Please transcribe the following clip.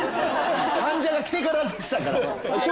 患者が来てからでしたから。